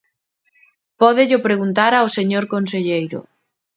Pódello preguntar ao señor conselleiro.